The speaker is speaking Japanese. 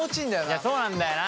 いやそうなんだよな。